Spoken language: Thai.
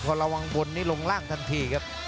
พอระวังบนนี้ลงล่างทันทีครับ